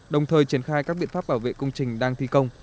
đồng thời triển khai các biện pháp bảo vệ công trình đang thi công